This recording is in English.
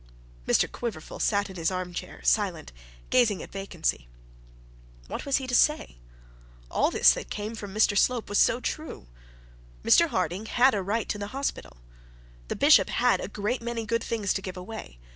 Mr Quiverful sat in his arm chair silent, gazing at vacancy. What was he to say? All this that came from Mr Slope was so true. Mr Harding had a right to the hospital. The bishop had a great many good things to give away.